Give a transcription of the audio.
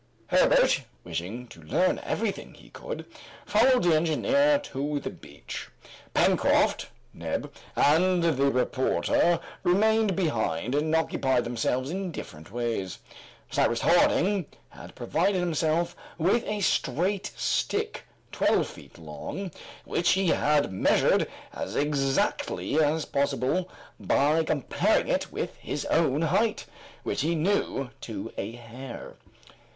Herbert, wishing to learn everything he could, followed the engineer to the beach. Pencroft, Neb, and the reporter remained behind and occupied themselves in different ways. Cyrus Harding had provided himself with a straight stick, twelve feet long, which he had measured as exactly as possible by comparing it with his own height, which he knew to a hair.